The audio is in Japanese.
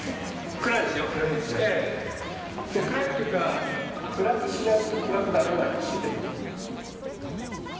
暗いというか暗くしないと暗くならないんですよね。